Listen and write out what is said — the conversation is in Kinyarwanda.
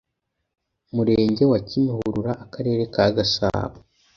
Murenge wa Kimihurura Akarere ka Gasabo